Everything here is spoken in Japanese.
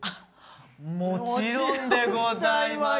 もちろんでございます。